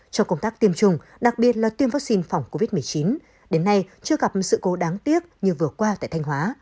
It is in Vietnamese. trong công tác tiêm chủng đặc biệt là tiêm vaccine phòng covid một mươi chín đến nay chưa gặp sự cố đáng tiếc như vừa qua tại thanh hóa